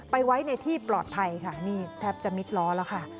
ไว้ในที่ปลอดภัยค่ะนี่แทบจะมิดล้อแล้วค่ะ